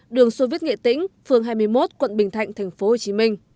đường sô viết nghệ tĩnh phường hai mươi một quận bình thạnh tp hcm